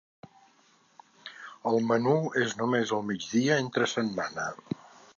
El menú és només al migdia entre setmana.